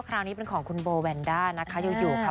คราวนี้เป็นของคุณโบแวนด้านะคะอยู่ค่ะ